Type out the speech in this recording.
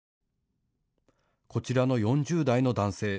こちらの４０代の男性。